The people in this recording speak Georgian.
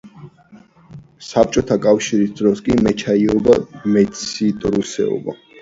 საბჭოთა კავშირის დროს კი მეჩაიეობა და მეციტრუსეობა.